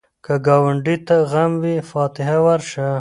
که ګاونډي ته غم وي، فاتحه ورشه